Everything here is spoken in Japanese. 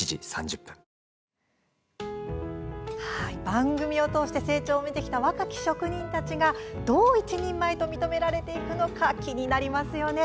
番組を通して成長を見てきた若き職人たちがどう一人前と認められていくのか気になりますね。